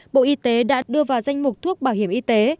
bộ y tế đã đưa vào danh mục thuốc bảo hiểm y tế